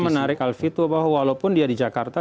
menarik alfito bahwa walaupun dia di jakarta